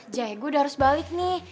jay gue udah harus balik nih